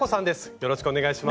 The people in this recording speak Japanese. よろしくお願いします。